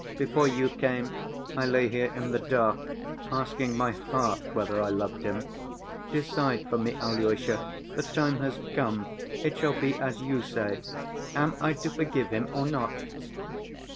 Before you came, I lay here in the dark, asking my heart whether I loved him. Decide for me, Alyosha, the time has come, it shall be as you say. Am I to forgive him or not?"